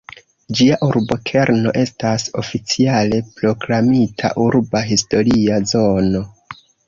Ĝia urbokerno estas oficiale proklamita "Urba historia zono".